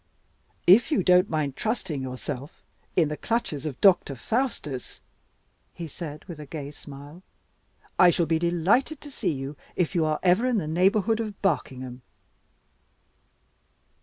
"If you don't mind trusting yourself in the clutches of Doctor Faustus," he said, with a gay smile, "I shall be delighted to see you if you are ever in the neighborhood of Barkingham."